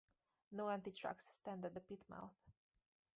No empty trucks stand at the pit-mouth.